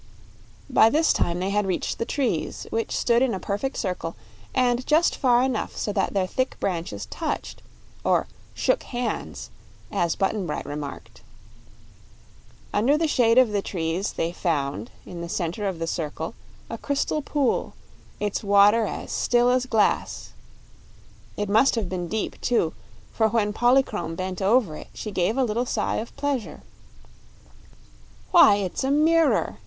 By this time they had reached the trees, which stood in a perfect circle and just far enough apart so that their thick branches touched or "shook hands," as Button Bright remarked. Under the shade of the trees they found, in the center of the circle, a crystal pool, its water as still as glass. It must have been deep, too, for when Polychrome bent over it she gave a little sigh of pleasure. "Why, it's a mirror!"